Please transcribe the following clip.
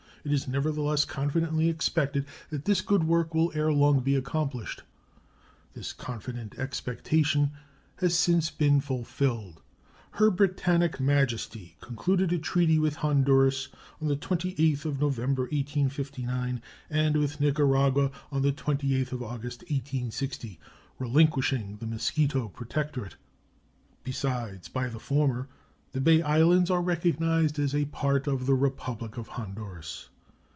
It is, nevertheless, confidently expected that this good work will ere long be accomplished." This confident expectation has since been fulfilled. Her Britannic Majesty concluded a treaty with Honduras on the 28th November, 1859, and with Nicaragua on the 28th August, 1860, relinquishing the Mosquito protectorate. Besides, by the former the Bay Islands are recognized as a part of the Republic of Honduras.